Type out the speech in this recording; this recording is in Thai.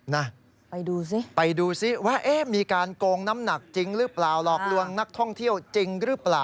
นะไปดูสิไปดูซิว่ามีการโกงน้ำหนักจริงหรือเปล่าหลอกลวงนักท่องเที่ยวจริงหรือเปล่า